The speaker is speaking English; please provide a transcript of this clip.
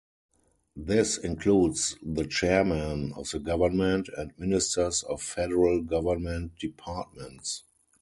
This includes the chairman of the government and ministers of federal government departments.